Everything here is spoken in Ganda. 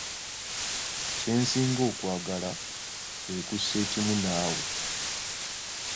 Kye nsinga okwagala kwe kusa ekimu naawe.